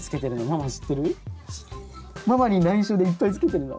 ママにないしょでいっぱいつけてるの？